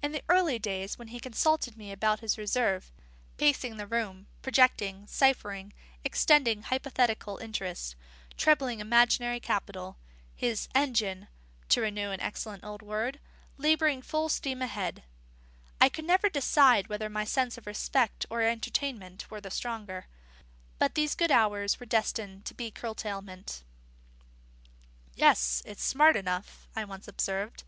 In the early days when he consulted me without reserve, pacing the room, projecting, ciphering, extending hypothetical interests, trebling imaginary capital, his "engine" (to renew an excellent old word) labouring full steam ahead, I could never decide whether my sense of respect or entertainment were the stronger. But these good hours were destined to curtailment. "Yes, it's smart enough," I once observed.